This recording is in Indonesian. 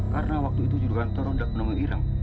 karena waktu itu juragan toro tidak pernah menemui irem